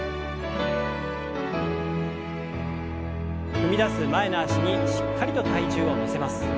踏み出す前の脚にしっかりと体重を乗せます。